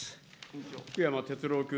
福山哲郎君。